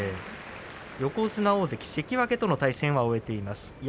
横綱大関関脇との対戦も終えています。